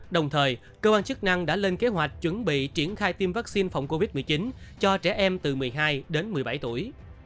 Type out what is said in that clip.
đồng thời cơ quan chức năng đã lên kế hoạch chuẩn bị triển khai tiêm vaccine phòng covid một mươi chín cho trẻ em từ một mươi hai đến một mươi bảy tuổi